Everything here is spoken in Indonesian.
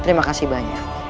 terima kasih banyak